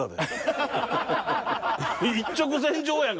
一直線上やんか